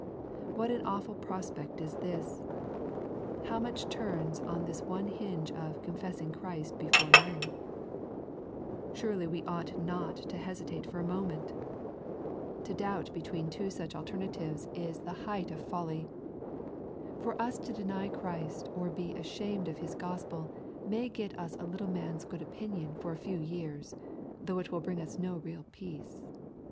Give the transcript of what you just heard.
What an awful prospect is this 1 How much turns on this one hinge of " confessing Christ before men 1" Surely we ought not to hesitate for a moment. To doubt between two such alternatives is 66 EXPOSITORY THOUGHTS. the height of folly. For us to deny Christ or be ashamed of His Gospel, may get us a little of man's good opin ion for a few years, though it will bring us no real peace.